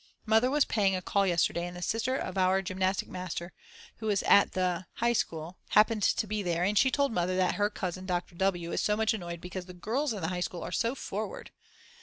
Mother was paying a call yesterday and the sister of our gymnastic master, who is at the High School, happened to be there, and she told Mother that her cousin Dr. W. is so much annoyed because the girls in the high school are so forward.